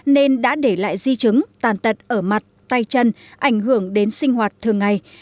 nên đã để lại di chứng tàn tật ở mặt tay chân ảnh hưởng đến sinh hoạt thường ngày